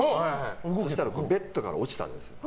そうしたらベッドから落ちたんです。